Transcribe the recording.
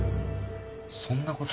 そんなこと？